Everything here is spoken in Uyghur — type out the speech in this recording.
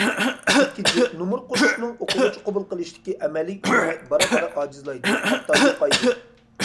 ئىككىنچى، نومۇر قوشۇشنىڭ ئوقۇغۇچى قوبۇل قىلىشتىكى ئەمەلىي ئۈنۈمى بارا- بارا ئاجىزلايدۇ ھەتتا يوقايدۇ.